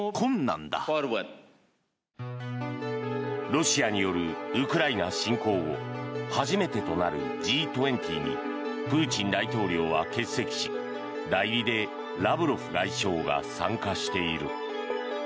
ロシアによるウクライナ侵攻後初めてとなるＧ２０にプーチン大統領は欠席し代理でラブロフ外相が参加している。